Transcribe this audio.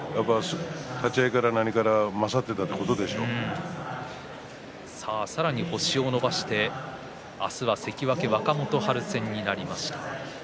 立ち合いから何から勝っていたさらに星を伸ばして明日は関脇若元春戦になりました。